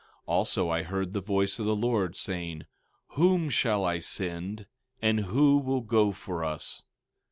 16:8 Also I heard the voice of the Lord, saying: Whom shall I send, and who will go for us?